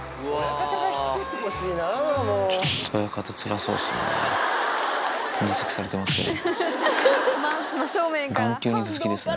ちょっと親方つらそうですね。